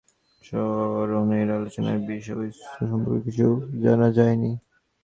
তবে শেখ রেহানার সঙ্গে পঙ্কজ সরনের আলোচনার বিষয়বস্তুু সম্পর্কে কিছু জানা যায়নি।